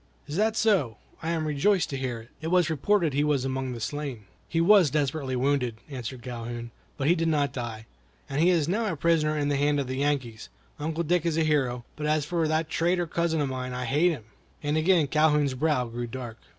"Is that so? I am rejoiced to hear it. It was reported he was among the slain." "He was desperately wounded," answered Calhoun, "but he did not die, and he is now a prisoner in the hands of the Yankees. Uncle Dick is a hero; but as for that traitor cousin of mine, I hate him!" and again Calhoun's brow grew dark.